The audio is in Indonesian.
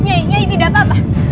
nyai nyai tidak apa apa